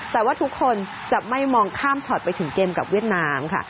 แต่ว่าทุกคนจะไม่มองข้ามช็อตไปถึงเกมกับเวียดนามค่ะ